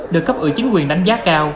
được cấp ủy chính quyền đánh giá cao